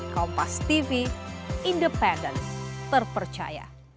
kompas tv independen terpercaya